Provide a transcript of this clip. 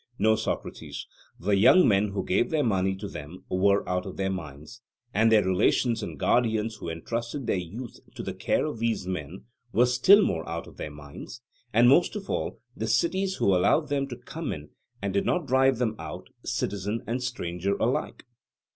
No, Socrates; the young men who gave their money to them were out of their minds, and their relations and guardians who entrusted their youth to the care of these men were still more out of their minds, and most of all, the cities who allowed them to come in, and did not drive them out, citizen and stranger alike.